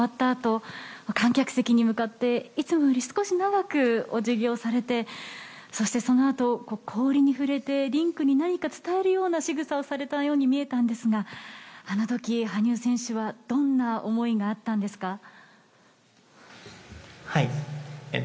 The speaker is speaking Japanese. あと観客席に向かっていつもより少し長くお辞儀をされてそしてそのあと、氷に触れてリンクに何か伝えるようなしぐさをされたように見えたんですがあの時、羽生選手はどんな思いがあったんですか？